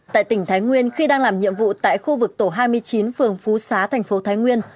tại tỉnh thái nguyên khi đang làm nhiệm vụ tại khu vực tổ hai mươi chín phường phú xá thành phố thái nguyên